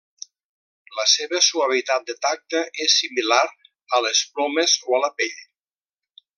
La seva suavitat de tacte és similar a les plomes o a la pell.